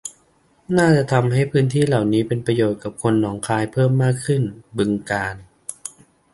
น่าจะทำให้พื้นที่เหล่านี้เป็นประโยชน์กับคนหนองคายเพิ่มขึ้นมาก บึงกาฬ